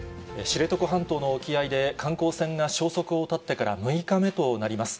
知床半島の沖合で、観光船が消息を絶ってから６日目となります。